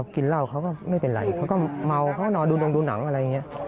กินเหล้าเขาก็ไม่เป็นไรเขาก็เมาเขาก็นอนดูตรงดูหนังอะไรอย่างนี้